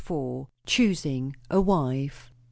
CHOOSING A WIFE.